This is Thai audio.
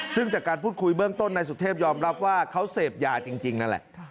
ซึ่งจากการพูดคุยเบื้องต้นนายสุเทพยอมรับว่าเขาเสพยาจริงนั่นแหละ